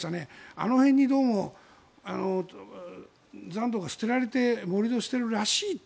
あの辺にどうも残土が捨てられて盛り土しているらしいって。